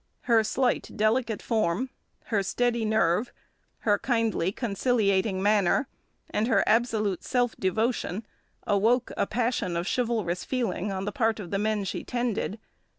Her slight delicate form, her steady nerve, her kindly conciliating manner, and her absolute self devotion, awoke a passion of chivalrous feeling on the part of the men she tended.